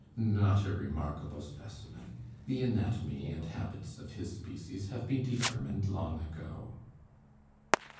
'Not a remarkable specimen; the anatomy and habits of his species have been determined long ago.